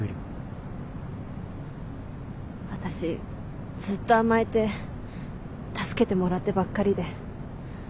私ずっと甘えて助けてもらってばっかりで。